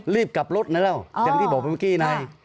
รีบกลับรถนะแล้วอย่างที่บอกไปเมื่อกี้ใน